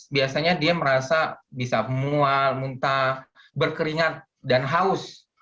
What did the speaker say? biasanya dia merasa bisa mual muntah berkeringat dan haus